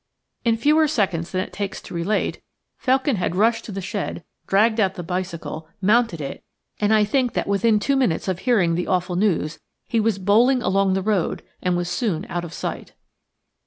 In fewer seconds than it takes to relate, Felkin had rushed to the shed, dragged out the bicycle, mounted it, and I think that within two minutes of hearing the awful news, he was bowling along the road, and was soon out of sight.